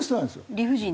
理不尽！